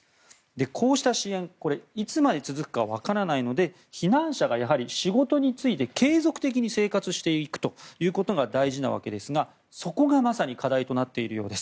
こうした支援はいつまで続くか分からないので避難者がやはり仕事に就いて継続的に生活していくということが大事なわけですがそこがまさに課題となっているようです。